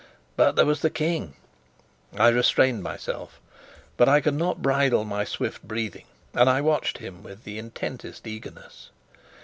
But there was the King! I restrained myself, but I could not bridle my swift breathing, and I watched him with the intensest eagerness.